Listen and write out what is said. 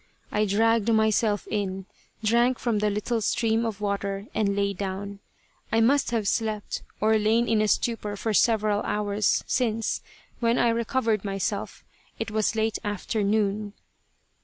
I dragged myself in, drank from the little stream of water, and lay down. I must have slept, or lain in a stupor for several hours, since, when I recovered myself again, it was late afternoon.